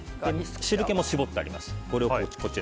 汁気も絞ってあります。